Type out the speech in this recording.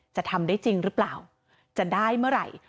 จะทำได้จริงหรือเปล่าจะได้เมื่อไหร่